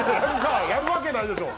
やるわけないでしょう！